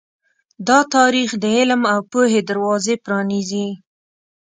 دا تاریخ د علم او پوهې دروازې پرانیزي.